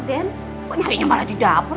dia nyarinya malah di dapur